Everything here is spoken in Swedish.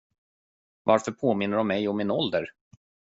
Varför påminner de mig om min ålder?